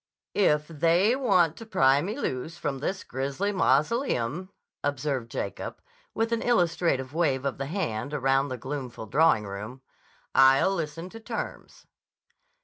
"If they want to pry me loose from this grisly mausoleum," observed Jacob, with an illustrative wave of the hand around the gloomful drawing room, "I'll listen to terms."